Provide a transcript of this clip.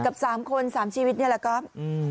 กับ๓คน๓ชีวิตนี่แหละก๊อฟ